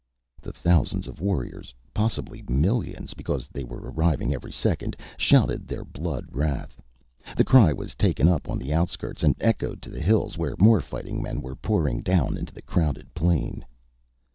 The thousands of warriors possibly millions, because more were arriving every second shouted their blood wrath. The cry was taken up on the outskirts and echoed to the hills, where more fighting men were pouring down into the crowded plain.